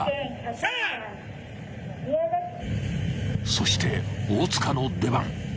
［そして大塚の出番］